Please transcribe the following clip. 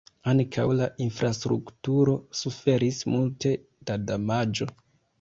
Ankaŭ la infrastrukturo suferis multe da damaĝo.